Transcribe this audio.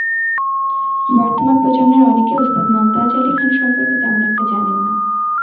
বর্তমান প্রজন্মের অনেকে ওস্তাদ মোমতাজ আলী খান সম্পর্কে তেমন একটা জানেন না।